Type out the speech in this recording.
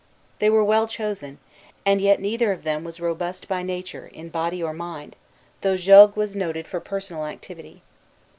They were well chosen; and yet neither of them was robust by nature, in body or mind, though Jogues was noted for personal activity.